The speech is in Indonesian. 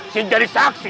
si dari saksi